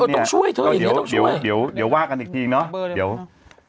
ก็ต้องช่วยเดี๋ยวว่ากันอีกทีเนอะ